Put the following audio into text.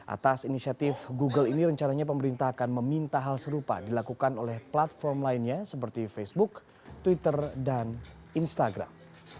atas inisiatif google ini rencananya pemerintah akan meminta hal serupa dilakukan oleh platform lainnya seperti facebook twitter dan instagram